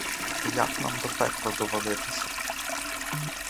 Як нам до пекла довалитись